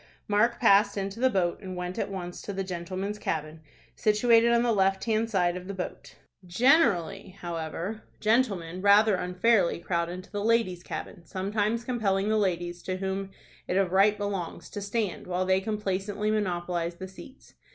Mark passed into the boat, and went at once to the "gentlemen's cabin," situated on the left hand side of the boat. Generally, however, gentlemen rather unfairly crowd into the ladies' cabin, sometimes compelling the ladies, to whom it of right belongs, to stand, while they complacently monopolize the seats.